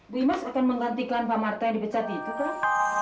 brimas akan menggantikan pak marta yang dipecat itu pak